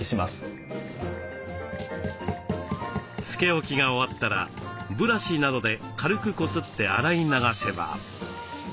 つけ置きが終わったらブラシなどで軽くこすって洗い流せば。